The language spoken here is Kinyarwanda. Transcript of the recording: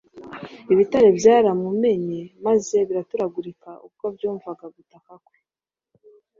Ibitare byaramumenye maze biraturagtuika ubwo byumvaga gutaka kwe.